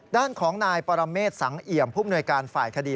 ด้านของนายปรเมษสังเอี่ยมผู้มนวยการฝ่ายคดี